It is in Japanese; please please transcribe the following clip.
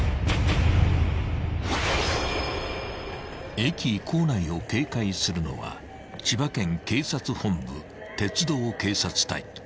［駅構内を警戒するのは千葉県警察本部鉄道警察隊］